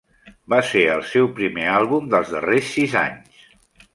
Va ser el seu primer àlbum dels darrers sis anys.